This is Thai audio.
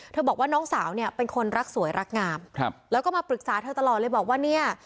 บอกว่าน้องสาวเนี่ยเป็นคนรักสวยรักงามครับแล้วก็มาปรึกษาเธอตลอดเลยบอกว่าเนี่ย